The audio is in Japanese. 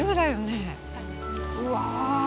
うわ。